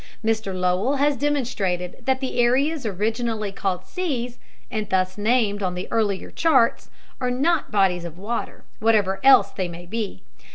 Mr Lowell has demonstrated that the areas originally called seas, and thus named on the earlier charts, are not bodies of water, whatever else they may be.